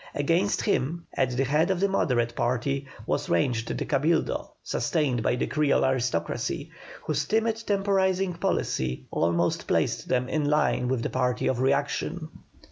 Against him, at the head of the Moderate party, was ranged the Cabildo, sustained by the Creole aristocracy, whose timid temporising policy almost placed them in line with the party of reaction.